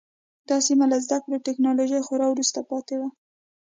دا سیمه له زده کړو او ټکنالوژۍ خورا وروسته پاتې وه.